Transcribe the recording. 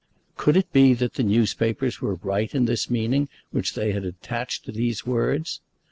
Could it be that the newspapers were right in this meaning which they had attached to these words?